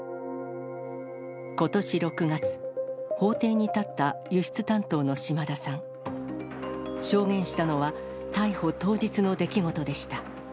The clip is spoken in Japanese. ことし６月、法廷に立った輸出担当の島田さん。証言したのは、逮捕当日の出来事でした。